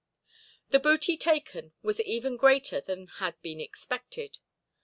The booty taken was even greater than had been expected.